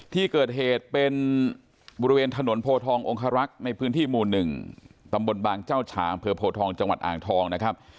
ที่เกิดเหตุเป็นบริเวณถนนโพทององคารักษ์ในพื้นที่หมู่๑ตำบลบางเจ้าฉางอำเภอโพทองจังหวัดอ่างทองนะครับ